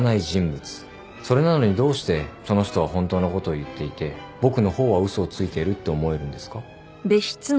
それなのにどうしてその人は本当のことを言っていて僕の方は嘘をついているって思えるんですか？